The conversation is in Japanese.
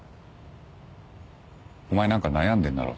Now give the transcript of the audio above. お前何か悩んでんだろ。